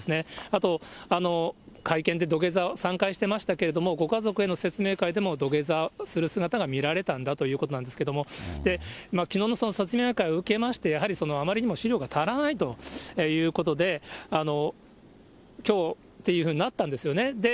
あと会見で土下座を３回していましたけれども、ご家族への説明会でも土下座する姿が見られたんだということなんですけれども、きのうの説明会を受けまして、やはりあまりにも資料が足りないということで、きょうっていうふうになったんですよね。